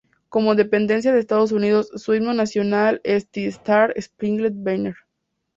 Como dependencia de Estados Unidos su himno nacional es The Star-Spangled Banner.